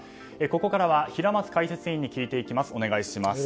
ここからは平松解説委員に聞いていきます。